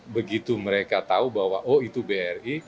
begitu mereka tahu bahwa oh itu bri